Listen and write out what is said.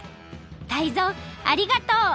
タイゾウありがとう！